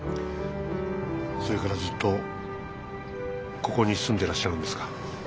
それからずっとここに住んでらっしゃるんですか？